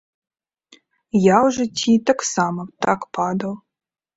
Я ў жыцці таксама так падаў.